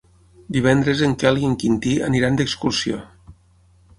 Divendres en Quel i en Quintí aniran d'excursió.